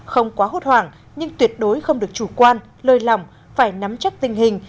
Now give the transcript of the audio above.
không quá hốt hoảng nhưng tuyệt đối không được chủ quan lời lòng phải nắm chắc tình hình